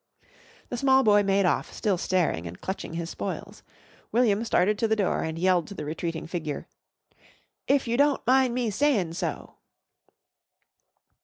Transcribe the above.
The small boy made off, still staring and clutching his spoils. William started to the door and yelled to the retreating figure, "if you don't mind me sayin' so."